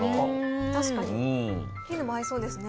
確かに絹も合いそうですね。